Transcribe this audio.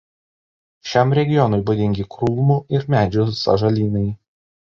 Šiam regionui būdingi krūmų ir medžių sąžalynai.